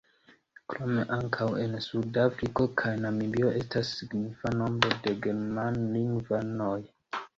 Krome ankaŭ en Sud-Afriko kaj Namibio estas signifa nombro de germanlingvanoj.